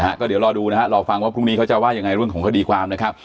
ฮะก็เดี๋ยวรอดูนะฮะรอฟังว่าพรุ่งนี้เขาจะว่ายังไงเรื่องของคดีความนะครับ